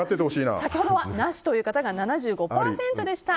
先ほどは、なしという方が７５％でした。